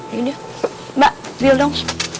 mbak jodoh dong